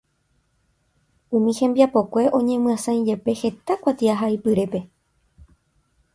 Umi hembiapokue oñemyasãijepe heta kuatiahaipyrépe.